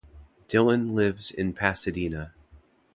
Dillon lives in Pasadena.